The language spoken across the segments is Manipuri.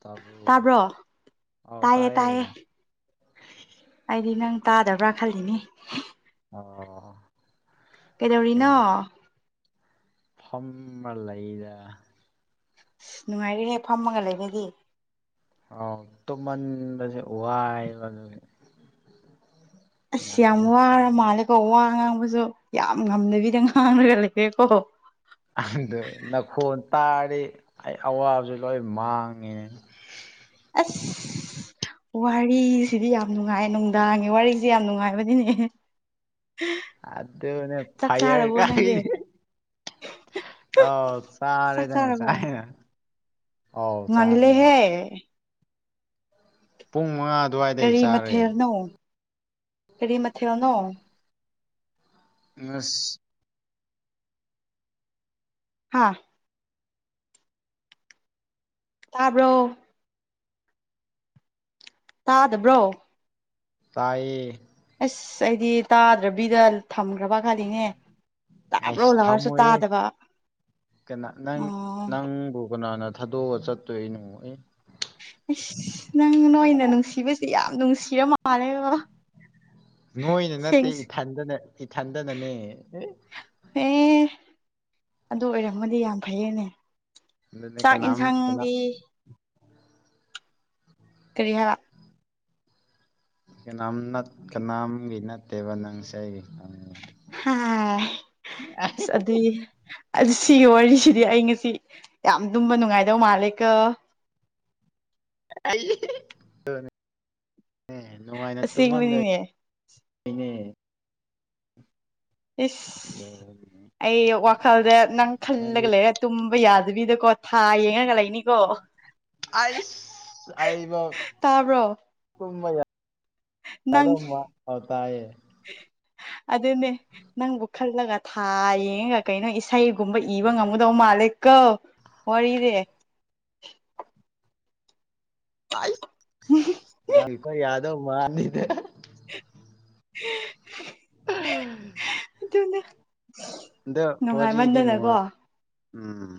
ꯇꯕꯨ ꯇꯥꯕ꯭ꯔꯣ ꯑꯎ ꯇꯥꯏꯌꯦ ꯇꯥꯏꯌꯦ ꯇꯥꯌꯦ ꯑꯩꯗꯤ ꯅꯪ ꯇꯥꯗꯕ꯭ꯔꯥ ꯈꯜꯂꯤꯅꯤ ꯑꯥ ꯀꯩꯗꯧꯔꯤꯅꯣ ꯐꯝꯃꯥ ꯂꯩꯌꯦ ꯑꯁ ꯅꯨꯡꯉꯥꯏꯔꯦꯍꯦ ꯐꯝꯃꯒ ꯂꯩꯕꯗꯤ ꯑꯥꯎ ꯇꯨꯝꯃꯟꯕꯁꯦ ꯋꯥꯌꯦꯕ ꯑꯗꯨꯒꯤ ꯑꯁ ꯍꯥꯝ ꯉꯥꯛꯇꯪ ꯋꯥꯔꯥ ꯃꯥꯂꯦꯀꯣ ꯋꯥ ꯉꯥꯡꯕꯁꯨ ꯌꯥꯝ ꯉꯝꯗꯕꯤꯗ ꯉꯥꯡꯔꯒ ꯂꯩꯔꯦꯀꯣ ꯇ꯭ꯥꯔꯗꯤ ꯑꯩ ꯑꯋꯥꯕꯕꯁꯦ ꯂꯣꯏ ꯃꯥꯡꯉꯦ ꯑꯁ ꯋꯥꯔꯤꯁꯤꯗꯤ ꯌꯥꯝ ꯅꯨꯡꯉꯥꯏ ꯅꯨꯡꯗꯥꯡꯒꯤ ꯋꯥꯔꯤꯁꯦ ꯌꯥꯝ ꯅꯨꯡꯉꯥꯏꯕꯅꯤꯅꯦ ꯑꯗꯨꯅꯦ ꯆꯥꯛ ꯐꯌꯥꯔ ꯆꯥꯔꯕꯣ ꯅꯪꯗꯤ ꯒꯥꯏꯗꯤ ꯑꯥꯎ ꯆꯥꯛ ꯆꯥꯔꯦꯗ ꯆꯥꯔꯕꯣ ꯉꯥꯁꯥꯏꯅ ꯉꯜꯂꯦꯍꯦ ꯄꯨꯡ ꯃꯉꯥ ꯑꯗꯨꯋꯥꯏꯗꯩ ꯀꯔꯤ ꯆꯥꯔꯦ ꯃꯊꯦꯜꯅꯣ ꯀꯔꯤ ꯃꯊꯦꯜꯅꯣ ꯉꯁ ꯍꯥꯥ ꯇꯥꯕ꯭ꯔꯣ ꯇꯥꯗꯕ꯭ꯔꯣ ꯇꯥꯌꯦ ꯑꯁ ꯑꯩꯗꯤ ꯇꯥꯗ꯭ꯔꯥꯕꯤꯗ ꯊꯝꯈ꯭ꯔꯥꯕ ꯈꯜꯂꯤꯅꯦ ꯇꯥꯕ꯭ꯔꯣ ꯑꯩꯁ ꯂꯥꯎꯔꯁꯨ ꯊꯝꯃꯣꯏꯍꯦ ꯇꯥꯗꯕ ꯀꯅꯥ ꯅꯪ ꯑꯣ ꯅꯪꯕꯨ ꯀꯅꯥꯅ ꯊꯥꯗꯣꯛꯑꯒ ꯆꯠꯇꯣꯏꯅꯣ ꯑꯩ ꯑꯁ ꯅꯪ ꯅꯣꯏꯅ ꯅꯨꯡꯁꯤꯕꯁꯦ ꯌꯥꯝ ꯅꯨꯡꯁꯤꯔ ꯃꯥꯜꯂꯦ ꯕ ꯅꯣꯏꯅ ꯅꯠꯇꯦ ꯏꯊꯟꯗꯅꯦ ꯏꯊꯟꯗꯅꯅꯦ ꯑꯦ ꯑꯗꯨ ꯑꯣꯏꯔꯝꯃꯗꯤ ꯌꯥꯝ ꯐꯩꯌꯦꯅꯦ ꯑꯗꯨꯅꯦ ꯆꯥꯛ ꯀꯅꯥꯝ ꯀꯅꯥ ꯏꯟꯁꯥꯡꯗꯤ ꯀꯔꯤ ꯍꯥꯏꯕ ꯀꯅꯥꯝ ꯅꯠ ꯀꯅꯥꯝ ꯒꯤ ꯅꯠꯇꯦꯕ ꯅꯪꯁꯦ ꯑꯩꯒꯤ ꯑꯥꯏ ꯏꯁ ꯑꯗꯨꯏ ꯑ ꯁꯤꯒꯤ ꯋꯥꯔꯤꯁꯤꯗꯤ ꯑꯩ ꯉꯁꯤ ꯌꯥꯝ ꯇꯨꯝꯕ ꯅꯨꯡꯉꯥꯏꯗꯧ ꯃꯥꯜꯂꯦꯀꯣ ꯑꯥꯏ ꯏꯍꯍꯤ ꯗꯨꯅꯦ ꯑꯁꯦꯡꯕꯅꯤꯅꯦ ꯍꯨꯏꯅꯦ ꯏꯁ ꯑꯩ ꯋꯥꯈꯜꯗ ꯅꯪ ꯅꯪꯗꯤ ꯈꯜꯂꯒ ꯂꯩꯔ ꯇꯨꯝꯕ ꯌꯥꯗꯕꯤꯗꯀꯣ ꯊꯥ ꯌꯦꯡꯉꯒ ꯂꯩꯅꯤꯀꯣ ꯑꯣꯑꯣ ꯑꯥꯏꯁ ꯑꯩꯕꯥꯎ ꯇꯥꯕ꯭ꯔꯣ ꯅꯪ ꯗꯗꯧꯃ ꯐꯥꯔ ꯇꯥꯏꯌꯦ ꯑꯗꯨꯅꯦ ꯅꯪꯕꯨ ꯈꯜꯂꯒ ꯊꯥ ꯌꯦꯡꯉꯒ ꯀꯩꯅꯣ ꯏꯁꯩ ꯨꯒꯨꯝꯕ ꯏꯕ ꯉꯝꯒꯗꯧ ꯃꯥꯂꯦ ꯀꯧ ꯋꯥꯔꯤꯔꯦ ꯑꯥꯏ ꯌꯥꯗꯧ ꯃꯥꯅꯤꯗꯥ ꯑꯗꯨꯅꯦ ꯑꯗꯣ ꯋꯥꯔꯤꯗꯤ ꯅꯨꯡꯉꯥꯏꯃꯟꯗꯅꯀꯣ ꯅꯨꯡꯉꯥꯏ ꯎꯝ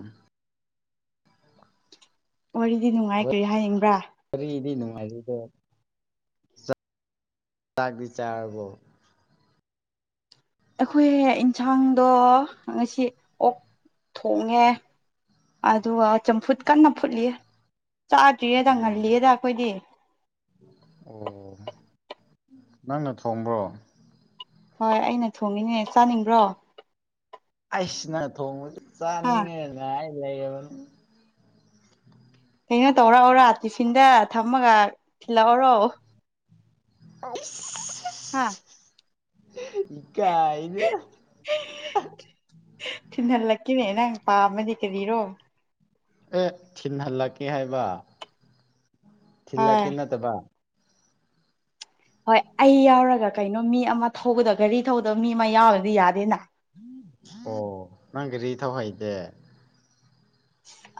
ꯋꯥꯔꯤꯗꯤ ꯅꯨꯡꯉꯥꯏ ꯀꯔꯤ ꯍꯥꯏꯅꯤꯡꯕ꯭ꯔꯥ ꯀꯔꯤꯗꯤ ꯅꯨꯡꯉꯥꯏꯔꯤꯗꯣ ꯇꯥꯛꯇꯤ ꯆꯥꯥꯔꯕꯣ ꯑꯩꯈꯣꯏ ꯏꯟꯁꯥꯡꯗꯣ ꯉꯁꯤ ꯑꯣꯛ ꯊꯣꯡꯉꯦ ꯑꯗꯨꯒ ꯆꯝꯐꯨꯠ ꯀꯟꯅ ꯐꯨꯠꯂꯤ ꯆꯥꯗ꯭ꯔꯤꯌꯦꯗ ꯑꯥ ꯉꯜꯂꯤꯌꯦꯗ ꯑꯩꯈꯣꯏꯗꯤ ꯑꯣ ꯅꯪꯅ ꯊꯣꯡꯕ꯭ꯔꯣ ꯍꯣꯏ ꯑꯩꯅ ꯊꯣꯡꯉꯤꯅꯦ ꯆꯥꯅꯤꯡꯕ꯭ꯔꯣ ꯑꯩꯏꯁ ꯅꯅꯥ ꯊꯣꯡꯕꯗꯤ ꯍꯥ ꯆꯥꯅꯤꯡꯉꯦ ꯉꯥꯏ ꯂꯩꯔꯕꯅꯤ ꯀꯩꯅꯣ ꯇꯧꯔꯛꯑꯣꯔꯥ ꯇꯤꯐꯤꯟꯗ ꯊꯝꯃꯒ ꯊꯤꯜꯂꯛꯑꯣꯔꯣ ꯑꯁ ꯍꯥꯥ ꯏꯀꯥꯏ ꯔꯦꯗ ꯁꯤꯍꯜꯂꯛꯀꯤꯅꯦ ꯅꯪ ꯄꯥꯝꯃꯗꯤ ꯀꯔꯤꯔꯣ ꯑꯦ ꯊꯤꯟꯍꯟꯂꯛꯀꯦ ꯍꯥꯏꯕ ꯍꯣꯏ ꯊꯤꯂꯛꯀꯦ ꯅꯠꯇꯕ ꯍꯣꯏ ꯑꯩ ꯌꯥꯎꯔꯒ ꯀꯩꯅꯣ ꯃꯤ ꯑꯃ ꯊꯧꯕꯗ ꯒꯥꯔꯤ ꯊꯧꯕꯗꯕ ꯃꯤ ꯑꯃ ꯌꯥꯎꯔꯑꯗꯤ ꯌꯥꯗꯦꯅ ꯑꯣ ꯅꯪꯒꯔꯤ ꯊꯧ ꯍꯩꯗꯦ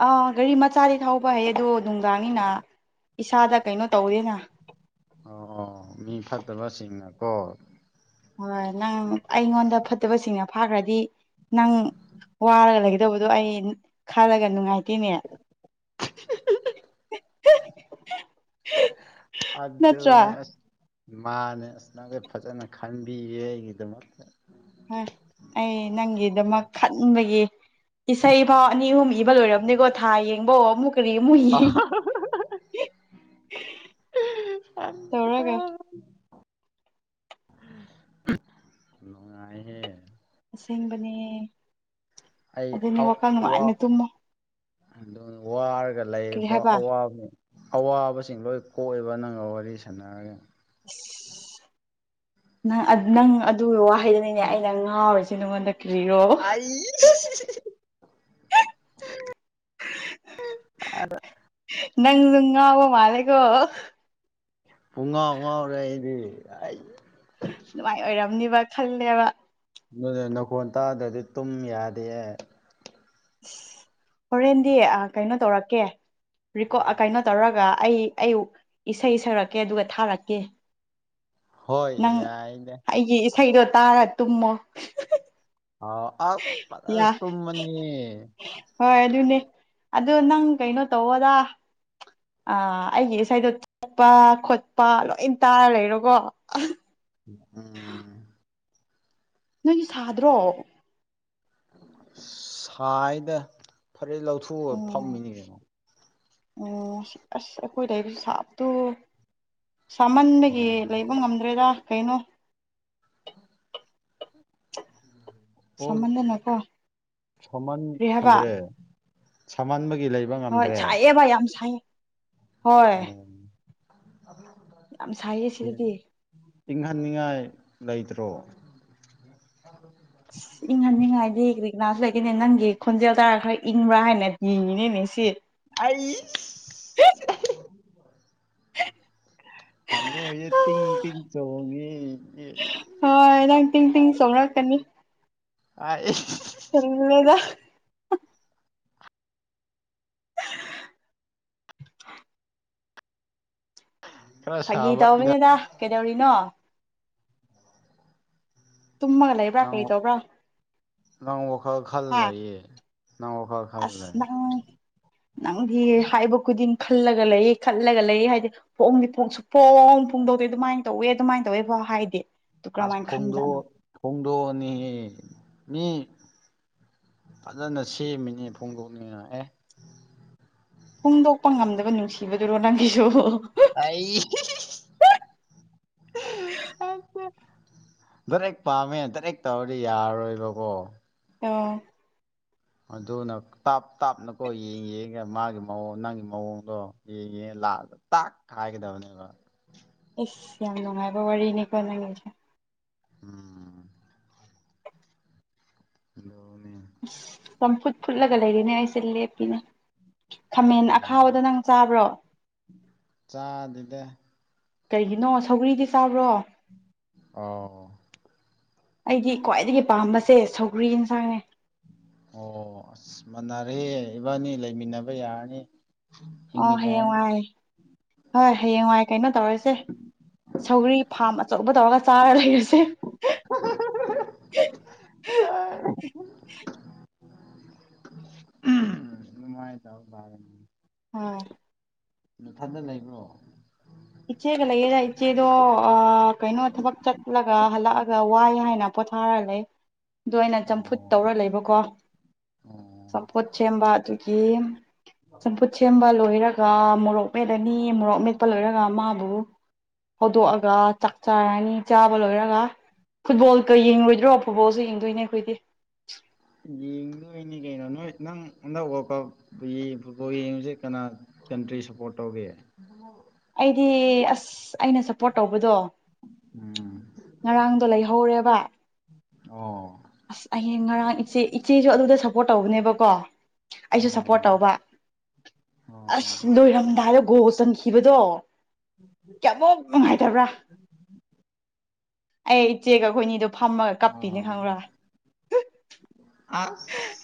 ꯑꯥ ꯒꯥꯔꯤ ꯃꯆꯥꯗꯤ ꯊꯧꯕ ꯍꯩꯌ ꯑꯗꯣ ꯅꯨꯡꯗꯥꯡꯅꯤꯅ ꯏꯁꯥꯗ ꯀꯩꯅꯣ ꯇꯧꯋꯦꯅ ꯑꯣ ꯑꯣ ꯃꯤ ꯐꯠꯇꯕꯁꯤꯡꯅꯀꯣ ꯍꯣꯏ ꯅꯪ ꯑꯩꯉꯣꯟꯗ ꯐꯠꯇꯕꯁꯤꯡꯅ ꯐꯥꯈ꯭ꯔꯗꯤ ꯅꯪ ꯋꯥꯔꯒ ꯂꯩꯒꯗꯧꯕꯗꯣ ꯑꯩ ꯈꯜꯂꯒ ꯅꯨꯡꯉꯥꯏꯠ ꯇꯦꯅꯦ ꯅꯠꯇ꯭ꯔꯥ ꯑꯗꯣꯅꯦ ꯑꯁ ꯏꯃꯥꯅꯦ ꯑꯁ ꯅꯪꯁꯦ ꯐꯖꯅ ꯈꯟꯕꯤꯌꯦ ꯑꯩꯒꯤꯗꯃꯛꯇ ꯍꯣꯏ ꯑꯩ ꯅꯪꯒꯤꯗꯃꯛ ꯈꯟꯕꯒꯤ ꯏꯁꯩꯐꯥꯎ ꯑꯅꯤ ꯑꯍꯨꯝ ꯏꯕ ꯂꯣꯏꯔꯕꯅꯦꯀꯣ ꯊꯥ ꯌꯦꯡꯕꯧ ꯑꯃꯨꯛ ꯀꯔꯤ ꯑꯃꯨ ꯌꯦꯡ [inaudible] ꯇꯧꯔꯒ ꯂꯍꯦ ꯑꯁꯦꯡꯕꯅꯦ ꯑꯗꯨꯏꯅꯦ ꯋꯥꯈꯜ ꯅꯨꯡꯥꯏꯅ ꯇꯨꯝꯃꯣ ꯑꯗꯨ ꯋꯥꯔꯒ ꯀꯔꯤ ꯂꯩꯕ ꯍꯥꯏꯕ ꯑꯋꯥꯕꯅꯤ ꯑꯋꯥꯕꯁꯤꯡ ꯂꯣꯏ ꯀꯣꯛꯑꯕ ꯅꯪꯒ ꯋꯥꯔꯤ ꯁꯥꯟꯅꯔꯒꯦ [inaudible] ꯅꯪ ꯅꯪ ꯑꯗꯨꯒꯤ ꯋꯥꯍꯩꯗꯨꯅꯤꯅꯦ ꯑꯩꯅ ꯉꯥꯎꯔꯤꯁꯦ ꯅꯉꯣꯟꯗ ꯀꯔꯤꯔꯣ ꯑꯏ ꯑ ꯅꯪ ꯂꯉꯕꯣ ꯃꯥꯅꯦꯒꯣ ꯄꯨꯨꯡꯉꯥ ꯄꯨꯉꯥ ꯑꯣꯏꯔꯗꯤ ꯑꯗꯨꯃꯥꯏꯅ ꯑꯣꯏꯔꯝꯅꯤꯕ ꯈꯜꯂꯦꯕ ꯑꯗꯨ ꯅꯈꯣꯟ ꯇꯥꯗ꯭ꯔꯗꯤ ꯇꯨꯝ ꯌꯥꯗꯦ ꯍꯣꯔꯦꯟꯗꯤ ꯀꯩꯅꯣ ꯇꯧꯔꯛꯀꯦ ꯀꯩꯅꯣ ꯇꯧꯔꯒ ꯑꯩ ꯑꯩ ꯏꯁꯩ ꯁꯛꯔꯛꯀꯦ ꯑꯗꯨꯒ ꯊꯥꯔꯛꯀꯦ ꯍꯣꯏ ꯌꯥꯅꯦ ꯊꯩꯗꯣ ꯇꯥꯔ ꯇꯨꯝꯃꯣ ꯑꯥꯎ ꯑ ꯌꯥ ꯇꯨꯝꯅꯤ ꯍꯣꯏ ꯑꯗꯨꯅꯦ ꯑ ꯅꯪ ꯀꯩꯅꯣ ꯇꯧꯋꯗ ꯑ ꯑꯩꯒꯤ ꯏꯁꯩꯗꯣ ꯆꯠꯄ ꯈꯣꯠꯄ ꯂꯣꯏ ꯇꯥꯔ ꯂꯩꯔꯣꯀꯣ ꯎꯝ ꯅꯣꯏꯒꯤ ꯁꯥꯗ꯭ꯔꯣ ꯁꯥꯏꯗ ꯐꯔꯦ ꯂꯧꯊꯣꯛꯑ ꯐꯝꯃꯤꯅꯤ ꯀꯉꯣ ꯎ ꯑꯁ ꯑꯩꯈꯣꯏ ꯂꯩꯕ ꯁꯥꯞꯇꯣ ꯑꯣ ꯁꯥꯃꯟꯕꯗꯒꯤ ꯂꯩꯕ ꯉꯝꯗ꯭ꯔꯦꯔ ꯀꯩꯅꯣ ꯑꯣ ꯁꯥꯃꯟꯗꯅꯀꯣ ꯁꯃꯥꯟ ꯀꯔꯤ ꯍꯥꯏꯕ ꯈꯗ꯭ꯔꯦ ꯁꯃꯥꯟ ꯃ ꯒꯤ ꯂꯩꯕ ꯍꯣꯏ ꯉꯝꯗ꯭ꯔꯦ ꯁꯥꯏꯌꯦꯕ ꯌꯥꯝ ꯁꯥꯏꯌꯦ ꯍꯣꯏ ꯎꯝ ꯌꯥꯝ ꯁꯥꯏꯌꯦꯦ ꯐꯦꯟ ꯁꯤꯗꯗꯤ ꯏꯪꯍꯟꯅꯤꯡꯉꯥꯏ ꯂꯩꯇ꯭ꯔꯣ ꯏꯪꯍꯟꯅꯤꯡꯉꯥꯏꯗꯤ ꯀꯔꯤꯛꯅꯥꯁꯨ ꯂꯩꯇꯅꯦ ꯅꯪꯒꯤ ꯈꯣꯟꯖꯦꯜ ꯇꯥꯔꯒ ꯈꯔ ꯏꯪꯕ꯭ꯔꯥ ꯍꯥꯏꯅ ꯏꯉꯤꯅꯤꯅꯦ ꯁꯤ ꯑꯩ ꯇꯃꯣ ꯌꯦ ꯇꯤ ꯇꯤꯤꯡ ꯆꯉꯤ ꯍꯣꯏ ꯅꯗꯪ ꯇꯤꯡ ꯇꯤꯡ ꯆꯣꯅꯔꯛꯀꯅꯤ ꯑ ꯆꯒ [inaudible] ꯈꯔ ꯐꯥꯒꯤ ꯁꯥꯕ ꯏꯪꯍꯟ ꯇꯧꯕꯅꯤꯗ ꯀꯩꯗꯧꯔꯤꯅꯣ ꯇꯨꯝꯃꯒ ꯂꯩꯕ꯭ꯔꯥ ꯅꯪ ꯀꯩꯗꯧꯕ꯭ꯔꯥ ꯅꯪ ꯋꯥꯈ ꯈꯜ ꯂꯩꯏꯌꯦ ꯑꯁ ꯅꯪꯗꯤ ꯍꯥꯏꯕ ꯈꯨꯗꯤꯡ ꯈꯜꯂꯒ ꯂꯩ ꯈꯜꯂꯒ ꯂꯩ ꯍꯥꯏꯗꯤ ꯍꯣꯡꯗꯤꯁꯨꯣꯡ ꯑꯗꯨꯃꯥꯏꯅ ꯇꯧꯋꯦ ꯑꯗꯨꯃꯥꯏꯅ ꯇꯧꯋꯦꯕ ꯍꯥꯏꯗꯤ ꯑꯁ ꯐꯣꯡꯗꯣ ꯐꯣꯡꯣꯡꯗꯣꯅꯤ ꯃꯤ ꯐꯖꯅ ꯁꯦꯝꯃꯤꯅꯦ ꯐꯣꯡꯗꯣꯛꯅꯤꯅ ꯑꯦ ꯐꯣꯡꯗꯣꯛꯄ ꯉꯝꯗꯕ ꯅꯨꯡꯁꯤꯕꯗꯨꯔꯣ ꯅꯪꯒꯤꯁꯨ ꯑꯩ ꯔꯦꯛ ꯄꯥꯝꯃꯦ ꯗꯥꯔꯦꯛ ꯇꯧꯔꯗꯤ ꯌꯥꯔꯔꯣꯏꯕꯀꯣ ꯑꯥ ꯑꯗꯨꯅ ꯇꯥꯞ ꯇꯥꯞꯅꯀꯣ ꯌꯦꯡꯉ ꯌꯦꯡꯒꯦ ꯃꯥꯒꯤ ꯃꯑꯣꯡ ꯅꯪꯒꯤ ꯃꯑꯣꯡꯗꯣ ꯌꯦꯡꯉꯦ ꯂ ꯇꯥꯛ ꯈꯥꯏꯒꯗꯅꯦ ꯌꯥꯝ ꯅꯨꯡꯉꯥꯏꯕ ꯋꯥꯔꯤꯅꯤꯀꯣ ꯅꯪꯉꯁꯦ ꯎꯝ ꯎ ꯑꯁ ꯆꯝꯐꯨꯠ ꯐꯨꯠꯂꯒ ꯂꯩꯔꯤꯅꯦ ꯑꯩꯁꯦ ꯂꯦꯞꯄꯤꯅꯦ ꯈꯥꯃꯦꯟ ꯑꯣ ꯑꯈꯥꯎꯕꯗ ꯅꯪ ꯆꯥꯕ꯭ꯔꯣ ꯆꯥ ꯑꯗꯨꯗꯦ ꯀꯩꯒꯤꯅꯣ ꯁꯧꯒꯔꯤꯗꯤ ꯆꯥꯕ꯭ꯔꯣ ꯑꯣ ꯑꯩꯗꯤ ꯈ꯭ꯋꯥꯏꯗꯒꯤ ꯄꯥꯝꯕꯁꯦ ꯁꯧꯒ꯭ꯔꯤ ꯌꯦꯟꯁꯥꯡꯅꯦ ꯑꯣ ꯑꯁ ꯃꯅꯔꯦ ꯏꯕꯥꯅꯤ ꯂꯩꯃꯤꯟꯅꯕ ꯌꯥꯔꯅꯤ ꯑꯣ ꯍꯦ ꯍꯤꯡꯃꯤꯟꯅꯔꯅꯤ ꯋꯥꯥꯏ ꯍꯣꯏ ꯍꯌꯦꯡꯋꯥꯏ ꯀꯩꯅꯣ ꯇꯧꯔꯤꯁꯦ ꯁꯧꯒ꯭ꯔꯤ ꯐꯥꯝ ꯑꯆꯧꯕ ꯇꯧꯔꯒ ꯁꯔꯥ ꯂꯩꯁꯦ ꯍ ꯎꯝꯥꯏ ꯇꯥꯎ ꯒꯅꯤ ꯑ ꯅꯊꯟꯗ ꯂꯩꯕ꯭ꯔꯣ ꯏꯆꯦꯒ ꯂꯩꯌꯦꯗ ꯏꯆꯦꯗꯣ ꯀꯩꯅꯣ ꯊꯕꯛ ꯆꯠꯂꯒ ꯍꯜꯂꯛꯑꯒ ꯋꯥꯏ ꯍꯥꯏꯅ ꯄꯣꯊꯥꯔ ꯂꯩ ꯑ ꯑꯩꯅ ꯆꯝꯐꯨꯠ ꯑꯣ ꯇꯧꯔ ꯂꯩꯕꯀꯣ ꯑꯣ ꯁꯄꯠ ꯆꯦꯝꯕ ꯑꯗꯨꯒꯤ ꯆꯝꯐꯨꯠ ꯁꯦꯝꯕ ꯂꯣꯏꯔꯒ ꯃꯣꯔꯣꯛ ꯃꯦꯠꯂꯅꯤ ꯃꯣꯔꯣꯛ ꯃꯦꯠꯄ ꯂꯣꯏꯔꯒ ꯃꯥꯕꯨ ꯍꯧꯗꯣꯛꯑꯒ ꯆꯥꯛ ꯆꯥꯔꯅꯤ ꯆꯥꯕ ꯂꯣꯏꯔꯒ ꯐꯨꯠꯕꯣꯜꯀ ꯌꯦꯡꯉꯣꯏꯗ꯭ꯔꯣ ꯐꯨꯠꯕꯣꯜꯁꯦ ꯌꯦꯡꯗꯣꯏꯅꯦ ꯑꯩꯈꯣꯏꯗꯤ ꯌꯦꯡꯗꯣꯏꯅꯤ ꯀꯩꯅꯣ ꯅꯣꯏ ꯅꯪ ꯅꯟꯗꯛ ꯂ ꯀꯞ ꯐꯨꯠꯕꯣꯜ ꯌꯦꯡꯉꯁꯦ ꯀꯅꯥ ꯀꯟꯇ꯭ꯔꯤ ꯁꯞꯄꯣꯔꯠ ꯇꯧꯒꯦ ꯑꯩꯗꯤ ꯑꯁ ꯑꯩꯅ ꯁꯞꯄꯣꯔꯠ ꯇꯧꯕꯗꯣ ꯎꯝ ꯉꯔꯥꯡꯗꯣ ꯂꯩꯍꯧꯔꯦꯕ ꯑꯣ ꯑꯁ ꯑꯩꯍꯡ ꯉꯔꯥꯡ ꯏꯆꯦ ꯏꯆꯦꯁꯨ ꯑꯗꯨꯗ ꯁꯄ ꯁꯄꯣꯔꯠ ꯇꯧꯕꯅꯦꯕꯀꯣ ꯑꯩꯁꯨ ꯁꯞꯄꯣꯔꯠ ꯑꯣ ꯇꯧꯕ ꯑꯣ ꯑꯁ ꯂꯣꯏꯔꯝꯗꯥꯏꯗ ꯒꯣ ꯆꯟꯈꯤꯕꯗꯣ ꯀꯌꯥꯃꯨꯛ ꯅꯨꯡꯉꯥꯏꯇꯕ꯭ꯔꯥ ꯑꯩ ꯏꯆꯦꯒ ꯑꯩꯈꯣꯏꯅꯤꯗꯣ ꯐꯝꯃꯒ ꯀꯞꯄꯤꯅꯦ ꯑꯣ ꯈꯪꯕ꯭ꯔꯥ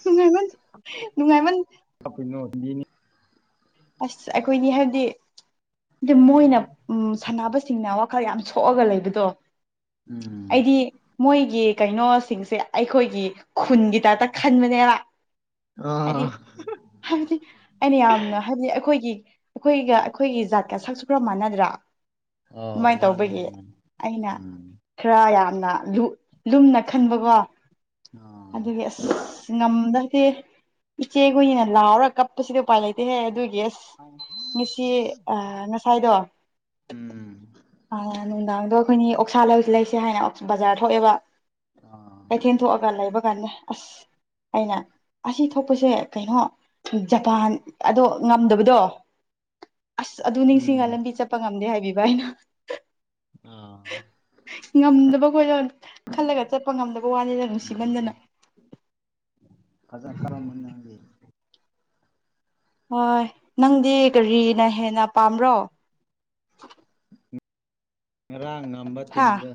ꯅꯨꯡꯉꯥꯏꯃꯣꯟ ꯅꯨꯡꯉꯥꯏꯃꯣꯟ ꯑꯗꯨꯅꯤ ꯑꯁ ꯑꯩꯈꯣꯏꯅꯤ ꯍꯥꯏꯕꯗꯤ ꯃꯣꯏꯅ ꯎ ꯁꯥꯟꯅꯕ ꯁꯤꯡꯅ ꯋꯥꯈꯜ ꯌꯥꯝ ꯁꯣꯛꯑꯒ ꯂꯩꯕꯗꯣ ꯎꯝ ꯑꯩꯗꯤ ꯃꯣꯏꯒꯤ ꯀꯩꯅꯣꯁꯤꯡꯁꯦ ꯑꯩꯈꯣꯏꯒꯤ ꯈꯨꯟꯒꯤ ꯇꯞꯇ ꯈꯟꯕꯅꯦꯅ ꯍꯥꯏꯗꯤ ꯑꯥ ꯍꯥꯏꯕꯗꯤ ꯑꯩꯅ ꯌꯥꯝꯅ ꯍꯥꯏꯕꯗꯤ ꯑꯩꯈꯣꯏꯒꯤ ꯑꯩꯈꯣꯏꯒ ꯑꯩꯈꯣꯏꯒꯤ ꯖꯥꯠꯀ ꯁꯛꯁꯨ ꯈꯔ ꯃꯥꯟꯅꯗ꯭ꯔꯥ ꯑꯣ ꯑꯗꯨꯃꯥꯏꯅ ꯃꯥꯅꯦ ꯇꯧꯕꯒꯤ ꯃꯥꯅꯦ ꯑꯩꯅ ꯎꯝ ꯈꯔ ꯌꯥꯝꯅ ꯂꯨꯝꯅ ꯈꯟꯕꯀꯣ ꯑꯗꯨꯒꯤ ꯑꯥ ꯑꯁ ꯉꯝꯗ꯭ꯔꯗꯤꯦ ꯄ ꯎꯆ ꯆꯩꯒꯅ ꯂꯔ ꯀꯞꯄꯁꯤꯗ ꯎꯥꯏ ꯂꯩꯇꯦ ꯍꯦ ꯌꯦꯁ ꯉꯁꯤ ꯉꯁꯥꯏꯗꯣ ꯎꯝ ꯑ ꯌꯥꯅꯗ ꯑꯩꯈꯣꯏꯅꯤ ꯑꯣꯛꯁꯥ ꯂꯧꯁꯤ ꯂꯩꯁꯦ ꯍꯥꯏꯅ ꯕꯖꯥꯔ ꯊꯣꯛꯑꯦꯕ ꯑꯥ ꯀꯩꯊꯦꯜ ꯊꯣꯛꯑꯒ ꯂꯩꯕ ꯅꯦ ꯑꯁ ꯑꯩꯅ ꯑꯁꯤ ꯊꯣꯛꯄꯁꯦ ꯀꯩꯅꯣ ꯖꯄꯥꯟ ꯑꯗꯣ ꯉꯝꯗꯕꯗꯣ ꯑꯁ ꯑꯗꯨ ꯎꯝ ꯅꯤꯡꯁꯤꯡꯉ ꯂꯝꯕꯤ ꯆꯠꯄ ꯉꯝꯗꯦ ꯍꯥꯏꯕꯤꯕ ꯍꯥꯏꯩꯅ ꯑꯥ ꯉꯝꯗꯕ ꯈꯣꯏꯔ ꯈꯜꯂꯒ ꯆꯠꯄ ꯉꯝꯗꯕ ꯋꯥꯅꯤꯅ ꯅꯨꯡꯁꯤꯃꯟꯗꯅ ꯐꯖ ꯀꯔꯝꯅꯗꯤ ꯍꯣꯏ ꯅꯪꯗꯤ ꯀꯔꯤꯅ ꯍꯦꯟꯅ ꯄꯥꯝꯕ꯭ꯔꯣ ꯉꯔꯥꯡ ꯉꯝꯕ ꯍꯥ ꯇꯤꯝꯗ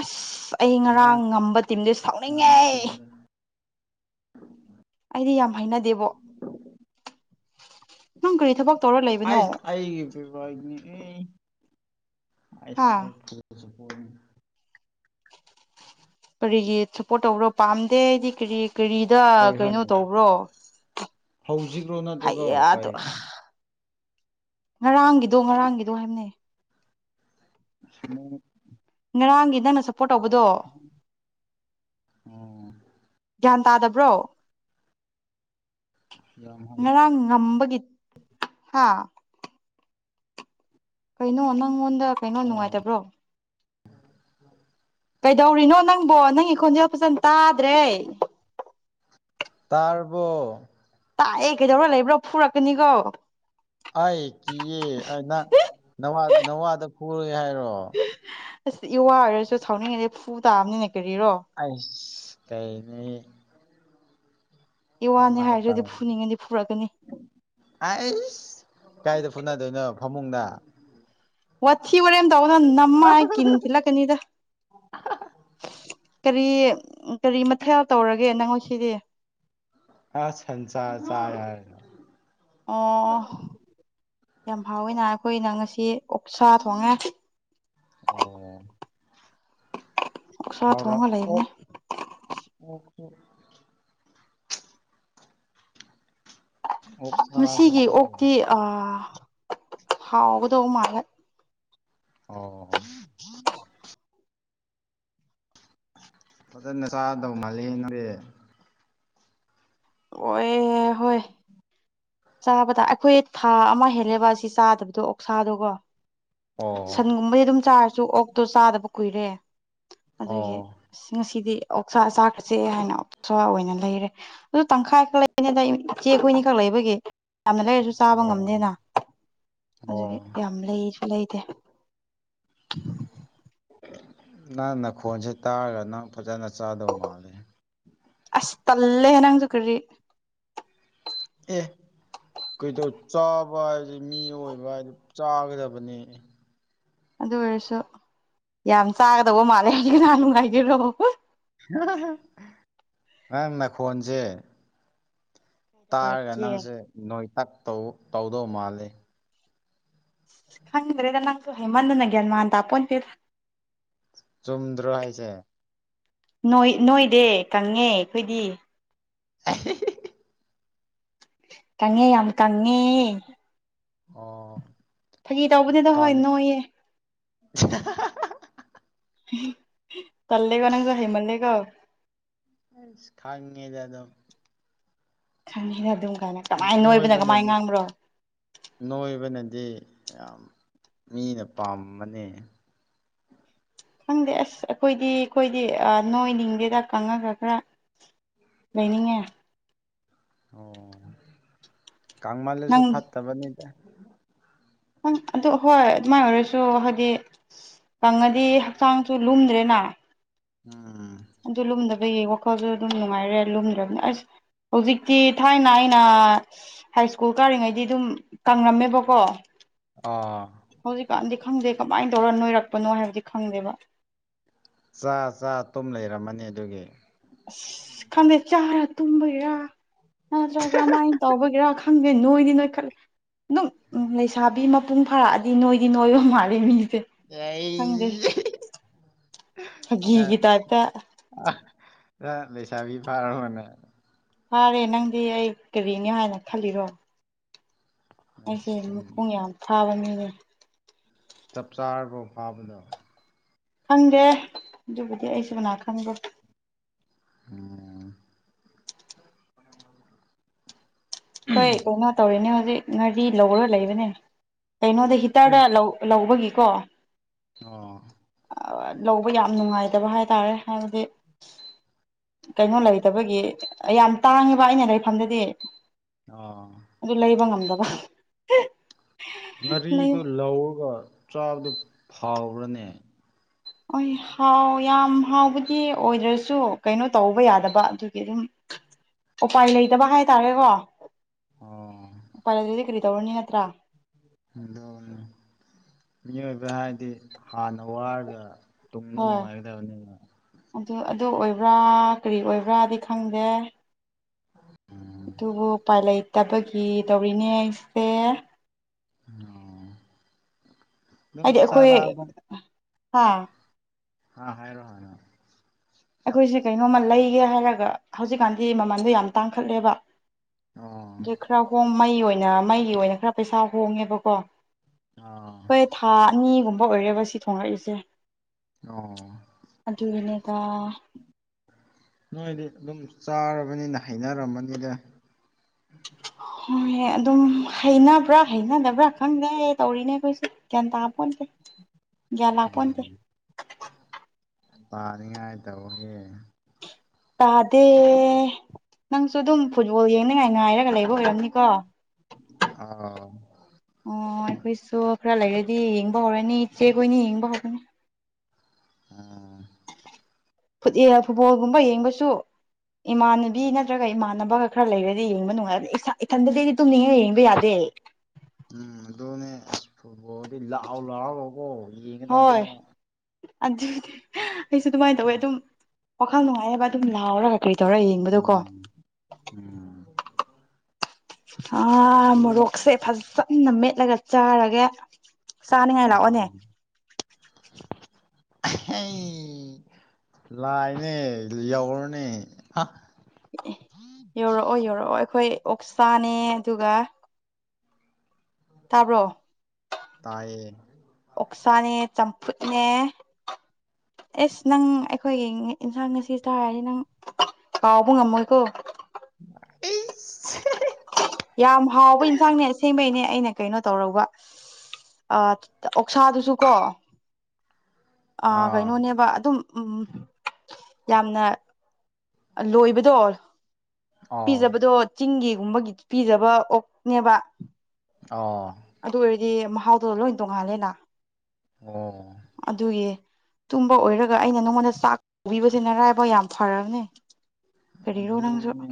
ꯑꯁ ꯑꯩ ꯉꯔꯥꯡ ꯉꯝꯕ ꯇꯤꯝꯗꯤ ꯁꯥꯎꯅꯤꯡꯉꯦ ꯉꯝꯕ ꯇꯤꯝꯗꯣ ꯑꯩꯗꯤ ꯌꯥꯝ ꯍꯥꯏꯅꯗꯦꯕꯣ ꯅꯪ ꯀꯔꯤ ꯊꯕꯛ ꯇꯧꯔ ꯑ ꯂꯩꯕꯅꯣ ꯑꯒꯦ ꯄꯕꯥ ꯍꯥ ꯑꯁꯄ ꯀꯔꯤꯒꯤ ꯁꯞꯄꯣꯔꯠ ꯇꯧꯕ꯭ꯔꯣ ꯄꯥꯝꯗꯦ ꯍꯥꯏꯗꯤ ꯀꯔꯤ ꯀꯔꯤꯗ ꯀꯩꯅꯣ ꯇꯧꯕ꯭ꯔꯣ ꯍꯧꯖꯤꯈ꯭ꯔꯣ ꯅꯠꯇ꯭ꯔꯒꯣ ꯍꯩꯌꯥ ꯑꯗꯣ ꯑꯩꯥꯏ ꯉꯔꯥꯡꯒꯤꯗꯣ ꯉꯔꯥꯡꯒꯤꯗꯣ ꯍꯥꯏꯕꯅꯦ ꯃ ꯉꯔꯥꯡꯒꯤ ꯅꯪꯅ ꯁꯞꯄꯣꯔꯠ ꯇꯧꯕꯗꯣ ꯑꯣ ꯒ꯭ꯌꯥꯟ ꯇꯥꯗꯕ꯭ꯔꯣ ꯌꯥꯝ ꯍꯥꯏ ꯉ ꯉꯝꯕꯒꯤ ꯍꯥꯥ ꯀꯩꯅꯣ ꯅꯪꯉꯣꯟꯗ ꯀꯩꯅꯣ ꯑꯥ ꯅꯨꯡꯉꯥꯏꯇꯕ꯭ꯔꯣ ꯀꯩꯗꯧꯔꯤꯅꯣ ꯅꯪꯕꯣ ꯅꯪꯒꯤ ꯈꯣꯟꯖꯦꯜ ꯐꯖꯅ ꯇꯥꯗ꯭ꯔꯦ ꯇꯥꯔꯔꯕꯣ ꯇꯥꯛꯑꯦ ꯀꯩꯗꯧꯕꯔꯥ ꯂꯩꯕ꯭ꯔꯣ ꯐꯨꯔꯛꯀꯅꯤꯒꯣ ꯑꯩ ꯀꯤꯌꯦ ꯑ ꯅ ꯅꯋꯥꯗ ꯐꯔꯣꯏ ꯍꯥꯏꯔꯣ ꯑꯁ ꯏꯋꯥ ꯑꯣꯏꯔꯁꯨ ꯁꯥꯎꯅꯤꯡꯉꯗꯤꯦ ꯐꯨ ꯇꯥꯕꯅꯤꯅꯦ ꯀꯔꯤꯔꯣ ꯑꯁ ꯀꯩꯅꯦ ꯏ ꯋꯥꯅꯤ ꯑꯗꯨꯃꯥꯏ ꯍꯥꯏꯔ꯭ꯔꯗꯤ ꯇꯧ ꯐꯨꯅꯤꯡꯉꯅꯤ ꯐꯨꯔꯛꯀꯅꯤ ꯑꯩꯁ ꯀꯥꯏꯗ ꯐꯨꯅꯗꯣꯏꯅꯣ ꯐꯃꯨꯡꯗ ꯋꯥꯊꯤ ꯋꯥꯔꯦꯝ ꯇꯧꯅ ꯅꯝꯃꯥꯏ ꯀꯤꯟ ꯊꯤꯜꯂꯛꯀꯅꯤꯗ ꯀꯔꯤ ꯀꯔꯤ ꯃꯊꯦꯜ ꯇꯧꯔꯒꯦ ꯅꯪꯣꯏ ꯁꯤꯗꯤ ꯑꯥ ꯁꯟꯆꯥ ꯆꯥꯏ ꯍꯥꯏꯔꯒ ꯑꯣ ꯌꯥꯝ ꯐꯥꯎꯋꯤꯅ ꯑꯩꯈꯣꯏꯅ ꯉꯁꯤ ꯑꯣꯛꯁꯥ ꯊꯣꯡꯉꯦ ꯑꯣ ꯑꯣꯛꯁꯥ ꯍꯥꯎꯔ ꯊꯣꯡꯉ ꯑꯣ ꯂꯩꯕꯅꯦ ꯑꯣ ꯑꯣꯛ ꯃꯁꯤꯒꯤ ꯆꯥꯕ꯭ꯔꯣ ꯑꯣꯛꯇꯤ ꯍꯥꯎꯒꯗꯧ ꯃꯥꯜꯂꯦ ꯑꯣ ꯐꯖꯅ ꯆꯥꯗꯧ ꯃꯥꯜꯂꯤ ꯅ ꯑꯣꯏ ꯍꯣꯏ ꯑꯣ ꯆꯥꯕꯗ ꯑꯩꯈꯣꯏ ꯊꯥ ꯑꯃ ꯍꯦꯜꯂꯦꯕ ꯑꯁꯤ ꯆꯥꯗꯕꯗꯣ ꯑꯣꯛꯁꯥꯗꯣꯒꯣ ꯑꯣ ꯁꯟꯒꯨꯝꯕꯗꯤ ꯑꯗꯨꯝ ꯆꯥꯔꯁꯨ ꯑꯣꯛꯇꯣ ꯆꯥꯗꯕ ꯀꯨꯏꯔꯦ ꯑꯣ ꯑꯗꯨꯒꯤ ꯑꯁ ꯉꯁꯤꯗꯤ ꯑꯣꯛꯁꯥ ꯆꯥꯈ꯭ꯔꯁꯦ ꯍꯥꯏꯅ ꯑꯣꯛꯁꯥ ꯑꯣꯏꯅ ꯂꯩꯔꯦ ꯑꯗꯨ ꯇꯪꯈꯥꯏꯈꯛ ꯂꯩꯕꯅꯦ ꯑꯗ ꯏꯆꯦ ꯍꯨꯏꯅꯤ ꯈꯛ ꯂꯩꯕꯒꯤ ꯌꯥꯝꯅ ꯂꯩꯔꯁꯨ ꯆꯥꯕ ꯑꯣ ꯉꯝꯗꯦꯅ ꯑꯣ ꯑꯗꯨꯒꯤ ꯌꯥꯝ ꯂꯩꯁꯨ ꯂꯩꯇꯦ ꯅꯪ ꯅꯈꯣꯟꯁꯦ ꯇꯥꯔꯒ ꯅꯪ ꯐꯖꯅ ꯆꯥꯗꯧ ꯃꯥꯂꯦ ꯑꯁ ꯇꯂꯦ ꯅꯪꯁꯨ ꯀꯔꯤ ꯑꯦ ꯀꯩꯗꯧ ꯆꯥꯕ ꯍꯥꯏꯕꯗꯤ ꯃꯤ ꯑꯣꯏꯕ ꯍꯥꯏꯗꯤ ꯆꯥꯒꯗꯕꯅꯤ ꯑꯗꯨ ꯑꯣꯏꯔꯁꯨ ꯌꯥꯝ ꯆꯥꯒꯗꯧꯕ ꯃꯥꯜꯂꯦ ꯍꯧꯖꯤ ꯅꯍꯥꯟ ꯅꯨꯡꯉꯥꯏꯕꯤꯔꯣ ꯅꯪ ꯅꯈꯣꯟꯁꯦ ꯇꯥꯔꯒ ꯌꯧꯔꯛꯀꯦ ꯅꯪꯁꯦ ꯅꯣꯏ ꯇꯛꯧ ꯇꯧꯗꯧ ꯃꯥꯜꯂꯦ ꯍꯪꯗ꯭ꯔꯦꯗ ꯅꯪ ꯍꯦꯃꯟ ꯅꯒꯦꯌꯥꯜꯃ ꯇꯄꯣꯇꯤꯔ ꯆꯨꯝꯗ꯭ꯔꯣ ꯍꯥꯏꯁꯦ ꯣꯏ ꯅꯣꯏꯗ ꯀꯪꯉꯦ ꯑꯩꯈꯣꯏꯗꯤ [inaudible] ꯀꯪꯉꯦ ꯌꯥꯝ ꯀꯪꯉꯦ ꯑꯣ ꯐꯥꯒꯤ ꯇꯧꯕꯅꯤꯗ ꯀꯪ ꯍꯣꯏ ꯅꯣꯏꯌꯦ [inaudible] ꯇꯜꯂꯦꯒ ꯅꯪꯖꯨ ꯍꯩꯃꯜꯗꯦ ꯈꯥꯡꯉꯦꯗ ꯑꯗꯨ ꯈꯪꯉꯤꯅ ꯑꯗꯨꯝ ꯀꯥꯏꯅ ꯀꯃꯥꯏꯅ ꯅꯣꯏꯕꯅ ꯀꯃꯥꯏ ꯅꯣꯏꯕꯅꯗꯤ ꯉꯥꯡꯕ꯭ꯔꯣ ꯗꯤ ꯌꯥꯝ ꯃꯤꯅ ꯄꯥꯝꯕꯅꯤ ꯈꯪꯗꯦ ꯑꯁ ꯑꯩꯈꯣꯏꯗꯤ ꯑꯩꯈꯣꯏꯗꯤ ꯅꯣꯏ ꯅꯤꯡꯗꯦꯗ ꯈꯪꯉꯒ ꯈꯔ ꯂꯩꯅꯤꯡꯉ ꯑꯣ ꯀꯥꯡꯃꯥꯏꯦꯁꯨꯠ ꯐꯠ ꯇꯕꯅꯤ ꯪ ꯑꯗꯨ ꯍꯣꯏ ꯑꯗꯨꯃꯥꯏꯅ ꯑꯣꯏꯔꯁꯨ ꯍꯥꯏꯗꯤ ꯀꯪꯉꯗꯤ ꯍꯛꯆꯥꯡꯁꯨ ꯂꯨꯝꯗ꯭ꯔꯦꯅ ꯎꯝ ꯑꯗꯨ ꯂꯨꯝꯗꯕꯒꯤ ꯋꯥꯈꯜꯗ ꯑꯗꯨꯝ ꯅꯨꯡꯉꯥꯏꯔꯦ ꯂꯨꯝꯗ꯭ꯔꯕꯅꯤꯅ ꯑꯁ ꯍꯧꯖꯤꯛꯇꯤ ꯊꯥꯏꯅ ꯑꯩꯅ ꯍꯥꯏ ꯁ꯭ꯀꯨꯜ ꯀꯥꯔꯤꯉꯩꯗꯤ ꯑꯗꯨꯝ ꯀꯪꯉꯝꯃꯦꯕꯀꯣ ꯑꯥ ꯈꯪꯗꯦ ꯀꯃꯥꯏꯅ ꯇꯧꯔ ꯅꯣꯏꯔꯛꯄꯅꯣ ꯍꯥꯏꯕꯗꯤ ꯈꯪꯗꯦꯕ ꯆꯥ ꯆꯥ ꯇꯨꯝ ꯂꯩꯔꯝꯃꯅꯤ ꯑꯗꯨꯒꯤ ꯑꯁ ꯈꯪꯗꯦ ꯆꯥꯔ ꯇꯨꯝꯕꯒꯤꯦꯔꯥ ꯅꯠꯇ꯭ꯔꯒ ꯃꯥꯏꯅ ꯇꯧꯕꯒꯦꯔꯥ ꯈꯪꯗꯦ ꯅꯣꯏꯗꯤ ꯅꯣꯏ ꯈꯜꯂꯦ ꯑꯗꯨꯝ ꯎ ꯂꯩꯁꯥꯕꯤ ꯃꯄꯨꯡ ꯐꯥꯔꯛꯑꯗꯤ ꯅꯣꯏꯗꯤ ꯅꯣꯏꯕ ꯃꯥꯜꯂꯦ ꯃꯤꯁ ꯌꯥ ꯍꯒ ꯇꯥꯏꯇ ꯂꯩꯁꯥꯕꯤ ꯐꯥꯔ ꯍꯅꯦ ꯐꯥꯔꯦ ꯅꯪꯗꯤ ꯑꯩ ꯀꯔꯤꯅꯤ ꯍꯥꯏꯅ ꯈꯜꯂꯤꯔꯣ ꯑꯩꯁꯦ ꯁꯨꯝ ꯃꯈꯣꯡ ꯌꯥꯝ ꯊꯥꯕꯅꯤꯅꯦ ꯆꯞ ꯆꯥꯔꯕ ꯐꯥꯕꯗ ꯈꯪꯗꯦ ꯑꯗꯨꯕꯨꯗꯤ ꯑꯩꯁꯨ ꯃꯅꯥ ꯈꯪꯕ꯭ꯔꯣ ꯑꯣꯝ ꯍꯣꯏ ꯀꯩꯅꯣ ꯇꯧꯔꯤꯅꯦ ꯍꯧꯖꯤꯛ ꯉꯥꯔꯤ ꯂꯧꯔꯣ ꯂꯩꯕꯅꯦ ꯀꯩꯅꯣꯗ ꯍꯤꯇꯔꯗ ꯂꯧꯕꯒꯤꯀꯣ ꯑ ꯂꯧꯕ ꯌꯥꯝ ꯅꯨꯡꯉꯥꯏꯇꯕ ꯍꯥꯏ ꯇꯥꯔꯦ ꯍꯥꯏꯕꯗꯤ ꯀꯩꯅꯣ ꯂꯩꯇꯕꯒꯤ ꯌꯥꯝ ꯇꯥꯡꯉꯦꯕ ꯑꯩꯅ ꯂꯩꯐꯝꯗꯗꯤ ꯑꯣ ꯑꯗꯨ ꯂꯩꯕ ꯉꯝꯗꯕ ꯂꯩꯕ ꯉꯥꯔꯤꯗꯨ ꯂꯧꯔꯒ ꯆꯥꯗꯨ ꯐꯥꯎꯔꯅꯦ ꯍ ꯍꯥꯎ ꯌꯥꯝ ꯍꯥꯎꯕꯗꯤ ꯑꯣꯏꯗ꯭ꯔꯁꯨ ꯀꯩꯅꯣ ꯇꯧꯕ ꯌꯥꯗꯕ ꯑꯗꯨꯒꯤ ꯑꯗꯨꯝ ꯎꯄꯥꯏ ꯂꯩꯇꯕ ꯍꯥꯏꯇꯥꯔꯦꯀꯣ ꯑꯣ ꯐꯔꯦ ꯑꯗꯨꯗꯤ ꯀꯔꯤ ꯇꯧꯔꯅꯤ ꯅꯠꯇ꯭ꯔꯥ ꯅꯤ ꯃꯤꯑꯣꯏꯕ ꯍꯥꯏꯗꯤ ꯍꯥꯟꯅ ꯋꯥꯔꯒ ꯇꯨꯡꯗ ꯍꯣꯏ ꯅꯅꯨꯡꯉꯥꯏꯗ ꯑꯃꯅꯤꯅꯤ ꯑꯗꯨ ꯑꯗꯨ ꯑꯣꯏꯕ꯭ꯔꯥ ꯀꯔꯤ ꯑꯣꯏꯕ꯭ꯔꯥꯗꯤ ꯈꯪꯗꯦ ꯎꯝ ꯑꯗꯨꯕꯨ ꯎꯄꯥꯏ ꯂꯩꯇꯕꯒꯤ ꯇꯧꯔꯤꯅꯦ ꯑꯩꯁꯦ ꯑꯣ ꯑꯗꯨꯝ ꯍꯥꯏꯗꯤ ꯑꯩꯈꯣꯏ ꯆꯥꯔꯛꯑꯕ ꯍꯥꯥ ꯍꯥ ꯍꯥꯏꯔꯣꯍꯅ ꯑꯩꯈꯣꯏꯁꯦ ꯀꯩꯅꯣꯝꯃ ꯂꯩꯒꯦ ꯍꯥꯏꯔꯒ ꯍꯧꯖꯤꯛꯀꯥꯟꯗꯤ ꯃꯃꯟꯗꯣ ꯌꯥꯝ ꯇꯥꯡꯈꯠꯂꯦꯕ ꯑꯣ ꯑꯗꯨ ꯈꯔ ꯍꯣꯡ ꯃꯩ ꯑꯣꯏꯅ ꯃꯩꯒꯤ ꯑꯣꯏꯅ ꯈꯔ ꯄꯩꯁꯥ ꯍꯣꯡꯉꯦꯕꯀꯣ ꯑꯣ ꯍꯣꯏ ꯊꯥ ꯑꯅꯤꯒꯨꯝꯕ ꯑꯣꯏꯔꯦꯕ ꯁꯤ ꯊꯣꯡꯂꯛꯏꯁꯦ ꯑꯣ ꯑꯗꯨꯅꯦꯗ ꯅꯣꯏꯗꯤ ꯑꯗꯨꯝ ꯆꯥꯔꯕꯅꯤꯅ ꯍꯩꯅꯔꯃꯅꯤꯗ ꯍꯣꯏ ꯑꯗꯨꯝ ꯍꯩꯅꯕ꯭ꯔꯥ ꯍꯩꯅꯗꯕ꯭ꯔꯥ ꯈꯪꯗꯦ ꯇꯧꯔꯤꯅꯦ ꯑꯩꯈꯣꯏꯁꯦ ꯒ꯭ꯌꯥꯟ ꯇꯥꯄꯣꯟꯇꯦ ꯒ꯭ꯌꯥꯟ ꯂꯥꯛꯄꯣꯟꯇꯦ ꯎꯝ ꯄꯥꯅꯤꯡꯉꯥꯏ ꯇꯧꯒꯦ ꯇꯥꯗꯦ ꯅꯪꯁꯨ ꯑꯗꯨꯝ ꯐꯨꯠꯕꯣꯜ ꯌꯦꯡꯅꯤꯡꯉꯥꯏ ꯉꯥꯏꯔꯒ ꯂꯩꯕ ꯑꯣꯏꯔꯝꯅꯤꯀꯣ ꯑꯥꯎ ꯑꯩꯈꯣꯏꯁꯨ ꯈꯔ ꯂꯩꯔꯗꯤ ꯌꯦꯡꯕ ꯍꯧꯔꯅꯤ ꯏꯆꯦꯈꯣꯏꯅꯤ ꯌꯦꯡꯕ ꯍꯧꯔꯅꯤ ꯑꯥ ꯐꯨꯠ ꯐꯨꯠꯕꯣꯜꯒꯨꯝꯕ ꯌꯦꯡꯕꯁꯨ ꯏꯃꯥꯟꯅꯕꯤ ꯅꯠꯇ꯭ꯔꯒ ꯏꯃꯥꯟꯅꯕꯒ ꯈꯔ ꯂꯩꯔꯗꯤ ꯌꯦꯡꯕ ꯅꯨꯡꯉꯥꯏ ꯏꯊꯟꯗꯗꯤꯗꯤ ꯇꯨꯝꯅꯤꯡꯉꯒ ꯌꯦꯡꯕ ꯌꯥꯗꯦ ꯍ [unintelligible] [inaudible] ꯎꯝ ꯑꯗꯨꯅꯦ ꯐꯨꯠꯕꯣꯜꯗꯤ ꯂꯥꯎꯑꯣ ꯂꯥꯛꯑꯣꯔꯣꯀꯣ ꯌꯦꯡꯒꯗꯕꯅꯦ ꯍꯣꯏ ꯑꯗꯨꯗꯤ ꯑꯩꯁꯨ ꯑꯗꯨꯃꯥꯏꯅ ꯇꯧꯋꯦ ꯑꯗꯨꯝ ꯋꯥꯈꯜ ꯅꯨꯡꯉꯥꯏꯅꯕ ꯑꯗꯨꯝ ꯂꯥꯎꯔꯒ ꯀꯩ ꯇꯧꯔ ꯌꯦꯡꯕꯗꯣꯀꯣ ꯎꯝ ꯎꯝ ꯑꯥ ꯃꯣꯏꯗꯤ ꯃꯣꯔꯣꯛꯁꯦ ꯐꯖꯅ ꯃꯦꯠꯂꯒ ꯆꯥꯔꯒꯦ ꯆꯥꯅꯤꯡꯉꯥꯏ ꯑꯝ ꯂꯥꯛꯑꯣꯅꯦ ꯑꯩ ꯂꯥꯏꯅꯦ ꯌꯧꯔꯅꯦ ꯌꯧꯔꯛꯑꯣ ꯌꯧꯔꯛꯑꯣ ꯑꯩꯈꯣꯏ ꯑꯣꯛꯁꯥꯅꯦ ꯑꯗꯨꯒ ꯇꯥꯕ꯭ꯔꯣ ꯇꯥꯏꯌꯦ ꯑꯣꯛꯁꯥꯅꯦ ꯆꯝꯐꯨꯠꯅꯦ ꯑꯦꯁ ꯅꯪ ꯑꯩꯈꯣꯏꯒꯤ ꯌꯦꯟꯁꯥꯡ ꯉꯁꯤ ꯆꯥꯔꯗꯤ ꯅꯪ ꯀꯥꯎꯕ ꯉꯝꯃꯣꯏꯀꯣ ꯏ [unintelligible] [inaudible] ꯌꯥꯝ ꯍꯥꯎꯕ ꯏꯟꯁꯥꯡꯅꯦ ꯑꯁꯦꯡꯕꯩꯅꯦ ꯑꯩꯅ ꯀꯩꯅꯣ ꯇꯧꯔꯧꯕ ꯑꯥ ꯑꯣꯛꯁꯥꯗꯨꯁꯨ ꯀꯣ ꯑ ꯑꯥ ꯀꯩꯅꯣꯅꯦꯕ ꯑꯗꯨꯝ ꯌꯥꯝꯅ ꯂꯣꯏꯕꯗꯣ ꯑꯥ ꯄꯤꯖꯕꯗꯣ ꯆꯤꯡꯒꯤꯒꯨꯝꯕꯒꯤ ꯄꯤꯖꯕ ꯑꯣꯛꯅꯦꯕ ꯑꯣ ꯑꯗꯨ ꯑꯣꯏꯔꯗꯤ ꯃꯍꯥꯎꯗꯨꯣ ꯂꯣꯏ ꯇꯣꯡꯉꯥꯜꯂꯦꯅ ꯑꯣ ꯑꯗꯨꯒꯤ ꯇꯨꯝꯕ ꯑꯣꯏꯔꯒ ꯑꯩꯅ ꯅꯪꯉꯣꯟꯗ ꯆꯥꯛ ꯀꯧꯕꯤꯁꯦ ꯅꯔꯥꯏꯕꯛ ꯌꯥꯝ ꯐꯔꯕꯅꯦ ꯀꯔꯤꯔꯣ ꯅꯪꯁꯨ ꯑꯗꯨꯅꯦ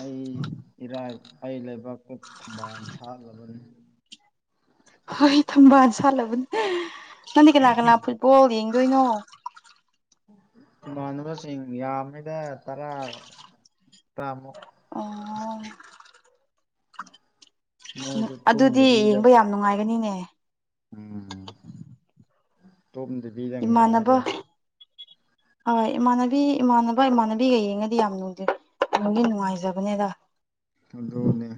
ꯑꯩ ꯏꯔꯥꯏ ꯑꯩ ꯂꯩꯕꯥꯛꯇ ꯊꯕꯥꯜ ꯁꯥꯂꯕꯅꯤ ꯍꯣꯏ ꯊꯝꯕꯥꯜ ꯁꯥꯠꯂꯕꯅꯦ ꯅꯪꯗꯤ ꯀꯅꯥ ꯀꯅꯥ ꯐꯨꯠꯕꯣꯜ ꯌꯦꯡ ꯀꯩꯅꯣ ꯏꯃꯥꯟꯅꯕꯁꯤꯡ ꯌꯥꯝꯃꯤꯗ ꯇꯔꯥ ꯇꯔꯥ ꯃꯨꯛ ꯑꯣ ꯎ ꯃꯣꯏꯁꯨ ꯑꯗꯨꯗꯤ ꯇꯨꯝꯗꯕꯤꯗ ꯌꯦꯡꯕ ꯌꯥꯝ ꯅꯨꯡꯉꯥꯏꯒꯅꯤꯅꯦ ꯇꯨꯝꯗꯗꯤꯗ ꯏꯃꯥꯟꯅꯕ ꯉꯥꯏꯂꯩ ꯍꯣꯏ ꯏꯃꯥꯟꯅꯕꯤ ꯏꯃꯥꯟꯅꯕ ꯏꯃꯥꯟꯅꯕꯤꯒ ꯌꯦꯡꯉꯗꯤ ꯌꯥꯝ ꯅꯨꯡꯗꯤ ꯅꯨꯡꯗꯤ ꯅꯨꯡꯉꯥꯏꯖꯕꯅꯦꯗ ꯑꯗꯨꯅꯦ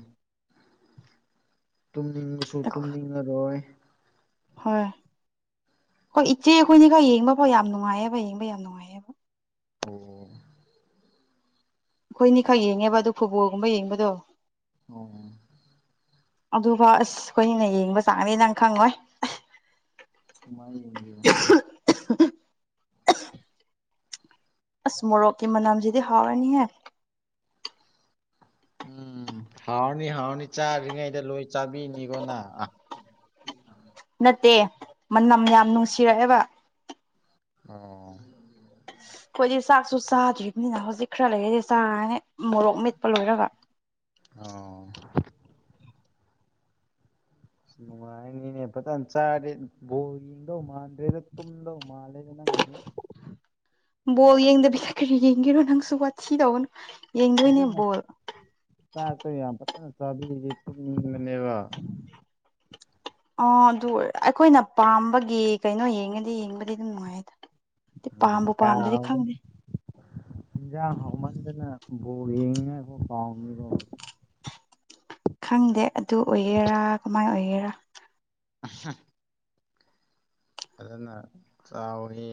ꯇꯨꯝꯅꯤꯡꯕꯁꯨ ꯇꯨꯝꯅꯤꯡꯉꯔꯣꯏ ꯍꯣꯏ ꯍꯣꯏ ꯏꯆꯦ ꯑꯩꯈꯣꯏꯅꯤꯒ ꯌꯦꯡꯕꯐꯥꯎ ꯌꯥꯝ ꯅꯨꯡꯉꯥꯏꯌꯦꯕ ꯌꯦꯡꯕ ꯌꯥꯝ ꯅꯨꯡꯉꯥꯏꯌꯦꯕ ꯑꯣ ꯑꯩꯈꯣꯏꯅꯤꯈꯛ ꯌꯦꯡꯉꯦꯕ ꯑꯗꯨꯣ ꯐꯨꯠꯕꯣꯜꯒꯨꯝꯕ ꯌꯦꯡꯕꯗꯣ ꯑꯣ [unintelligible] [inaudible] ꯑꯗꯨꯐꯥꯎ ꯑꯁ ꯑꯩꯈꯣꯏꯅ ꯌꯦꯡꯕ ꯆꯥꯡꯅꯦ ꯅꯪ ꯈꯪꯉꯣꯏ ꯁꯨꯃꯥꯏ ꯌꯦꯡꯒꯦ [unintelligible] [inaudible] ꯑꯁ ꯃꯣꯔꯣꯛꯀꯤ ꯃꯅꯥꯝꯖꯤꯗꯤ ꯍꯔꯅꯤ ꯍꯦ ꯎꯝ ꯍꯥꯎꯔꯅꯤ ꯍꯥꯎꯅꯤ ꯆꯥꯗ꯭ꯔꯤꯉꯩꯗ ꯂꯣꯏ ꯆꯥꯕꯤꯅꯤꯀꯣꯅꯪ [unintelligible] ꯅꯠꯇꯦ ꯃꯅꯝ ꯌꯥꯝ ꯅꯨꯡꯁꯤꯔꯛꯑꯦꯕ ꯑꯣ ꯈꯣꯏꯗꯤ ꯆꯥꯛꯁꯨ ꯆꯥꯗ꯭ꯔꯤꯝꯅꯤꯅ ꯍꯧꯖꯤꯛ ꯈꯔ ꯂꯩꯔꯗꯤ ꯆꯥꯔꯅꯦ ꯃꯣꯔꯣꯛ ꯃꯦꯠꯄ ꯂꯣꯏꯔꯒ ꯑꯣ ꯅꯨꯡꯉꯥꯏꯅꯤꯅꯦ ꯐꯖꯟ ꯆꯥꯔꯗꯥ ꯕꯣꯜ ꯌꯦꯡꯗꯧ ꯃꯥꯟꯗ꯭ꯔꯦꯗ ꯇꯨꯝꯗꯧ ꯃꯥꯜꯂꯦ ꯅꯪꯒꯤꯁꯦ ꯕꯣꯜ ꯌꯦꯡꯗꯕꯤ ꯀꯔꯤ ꯌꯦꯡꯒꯦꯔ ꯅꯪꯁꯨ ꯋꯥꯊꯤ ꯇꯧꯒꯅꯨ ꯌꯦꯡꯗꯣꯏꯅꯦ ꯐꯖꯅ ꯕꯣꯜ ꯆꯥꯛ ꯇꯨ ꯌꯥꯝ ꯐꯖꯅ ꯆꯥꯕꯤꯔꯗꯤ ꯇꯨꯝꯅꯤꯡ ꯃꯅꯦꯕ [unintelligible] ꯑ ꯑꯗꯨ ꯑꯣꯏ ꯑꯩꯈꯣꯏꯅ ꯄꯥꯝꯕꯒꯤ ꯀꯩꯅꯣ ꯌꯦꯡꯉꯗꯤ ꯌꯦꯡꯕꯗꯤ ꯑꯗꯨꯝ ꯅꯨꯡꯉꯥꯏꯗ ꯄꯥꯝꯕꯨ ꯄꯥꯝꯗꯗꯤ ꯈꯪꯗꯦ [unintelligible] ꯍꯤꯟꯖꯥꯡ ꯍꯥꯎꯃꯟꯗꯅ ꯕꯣꯜ ꯌꯦꯡꯅꯥꯡꯉꯥꯏ ꯐꯧ ꯀꯥꯎꯅꯤꯀꯣ ꯈꯪꯗꯦ ꯑꯗꯨ ꯑꯣꯏꯒꯦꯔꯥ ꯀꯃꯥꯏ ꯑꯣꯏꯒꯦꯔꯥ [unintelligible] ꯐꯖꯅ ꯆꯥꯎꯔꯤ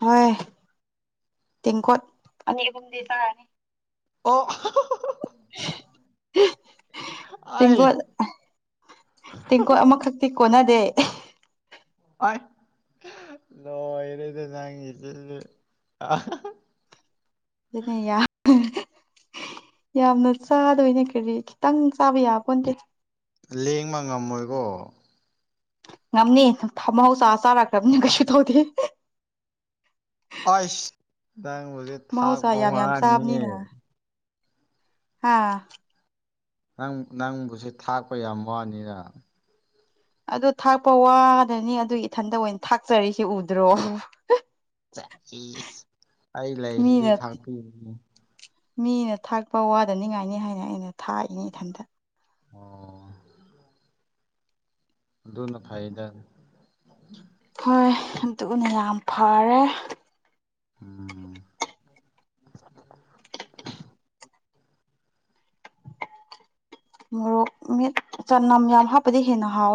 ꯍꯣꯏ ꯇꯦꯡꯀꯣꯠ ꯑꯅꯤ ꯑꯍꯨꯝꯗꯤ ꯆꯥꯔꯅꯤ ꯑꯣ [unintelligible] ꯑꯩ ꯇꯦꯡꯀꯣꯠ ꯇꯦꯡꯀꯣꯠ ꯑꯃꯈꯛꯇꯤ ꯀꯣꯟꯅꯗꯦ ꯑꯥꯏ ꯂꯣꯏꯔꯦꯅꯦ ꯅꯪꯒꯤꯁꯤꯗꯤ ꯑꯗꯨꯅꯦ ꯌꯥ ꯌꯥꯝꯅ ꯆꯥꯗꯣꯏꯅꯦ ꯀꯔꯤ ꯈꯤꯇꯪ ꯆꯥꯕ ꯌꯥꯄꯣꯟꯇꯦ ꯂꯦꯡꯕ ꯉꯝꯃꯣꯏꯀꯣ ꯉꯝꯅꯤ ꯃꯍꯧꯁꯥ ꯆꯥꯔꯛꯈ꯭ꯔꯕꯅꯤ ꯀꯩꯁꯨ ꯇꯧꯗꯦ ꯑꯁ ꯅꯪꯕꯨꯁꯦ ꯃꯍꯧꯁꯥ ꯊꯥꯛꯄ ꯌꯥꯝ ꯌꯥꯝ ꯋꯥꯅꯤꯍꯦ ꯍꯥꯥ ꯅꯪ ꯅꯪꯕꯨꯁꯦ ꯊꯥꯛꯄ ꯌꯥꯝ ꯋꯥꯅꯤꯅ ꯑꯗꯨ ꯊꯥꯛꯄ ꯋꯥꯗꯅꯤ ꯑꯗꯨꯒꯤ ꯏꯊꯟꯇ ꯑꯣꯏ ꯊꯥꯛꯆꯔꯤꯁꯤ ꯎꯗ꯭ꯔꯣ ꯏꯁ ꯑꯩ ꯂꯩꯁꯤꯗꯤ ꯃꯤꯅ ꯊꯥꯛꯄꯤꯅꯤ ꯃꯤꯅ ꯊꯥꯛꯄ ꯋꯥꯗꯅꯤꯡꯉꯥꯏꯅꯤ ꯍꯥꯏꯅ ꯑꯩꯅ ꯊꯥꯛꯏꯅꯤ ꯏꯊꯟꯇ ꯑꯣ ꯑꯗꯨꯅ ꯐꯩꯗ ꯍꯣꯏ ꯑꯗꯨꯅ ꯌꯥꯝ ꯐꯔꯦ ꯎꯝ ꯃꯣꯔꯣꯛ ꯃꯦꯠ ꯆꯅꯝ ꯌꯥꯝ ꯍꯥꯞꯄꯗꯤ ꯍꯦꯟꯅ ꯍꯥꯎꯋꯦ